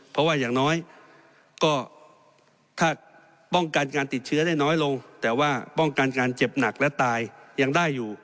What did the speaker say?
เพราะว่าอย่างน้อยก็ถ้าป้องกันการติดเชื้อได้น้อยลงแต่ว่าป้องกันการเจ็บหนักและตายยังได้อยู่